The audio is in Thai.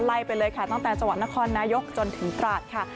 ไปเลยค่ะตั้งแต่จังหวัดนครนายกจนถึงตราดค่ะ